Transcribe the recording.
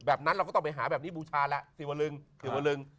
แบบนั้นเราก็ต้องไปหาแบบนี้บูชาแล้วสิวลึงศิวลึง